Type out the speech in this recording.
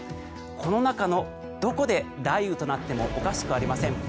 この中のどこで雷雨となってもおかしくありません。